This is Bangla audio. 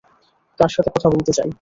তার সাথে কথা বলতে চাই।